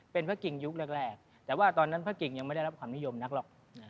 เป็นพระกิ่งยุคแรกแต่ว่าตอนนั้นพระกิ่งยังไม่ได้รับความนิยมนักหรอก